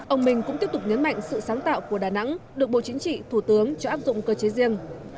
ông minh cũng tiếp tục nhấn mạnh sự sáng tạo của đà nẵng được bộ chính trị thủ tướng cho áp dụng cơ chế riêng